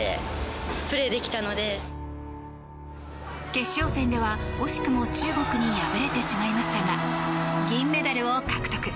決勝戦では、惜しくも中国に敗れてしまいましたが銀メダルを獲得。